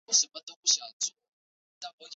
一说李宣远是宣古的弟弟。